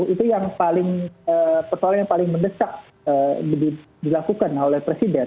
itu yang paling persoalan yang paling mendesak dilakukan oleh presiden